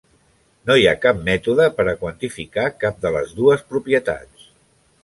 No hi ha cap mètode per a quantificar cap de les dues propietats.